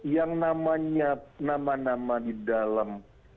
yang namanya nama nama di dalam